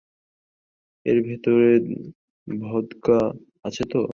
এর ভেতরে ভদকা আছে তো?